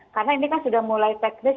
karena ini kan sudah mulai teknis